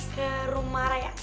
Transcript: ke rumah raya